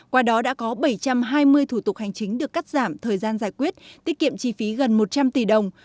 qua đó đã có bảy trăm hai mươi thủ tục hành chính được cắt giảm thời gian giải quyết tiết kiệm chi phí gần một trăm linh tỷ đồng